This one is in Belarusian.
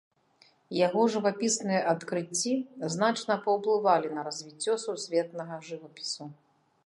Яго жывапісныя адкрыцці значна паўплывалі на развіццё сусветнага жывапісу.